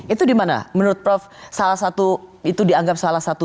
itu dimana menurut prof salah satu